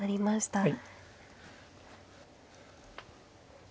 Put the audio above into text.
はい。